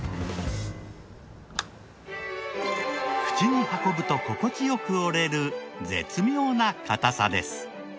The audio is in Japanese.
口に運ぶと心地よく折れる絶妙な硬さです。